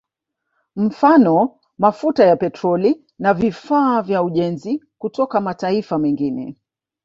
Mfano mafuta ya Petroli na vifaa vya ujenzi kutoka mataifa mengine